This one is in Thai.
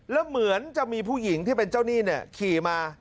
แล้วเหมือนจะมีผู้หญิงที่เป็นเจ้าหนี้เนี่ยขี่มา